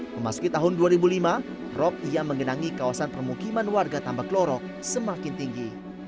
memasuki tahun dua ribu lima rop yang menggenangi kawasan permukiman warga tambak lorok semakin tinggi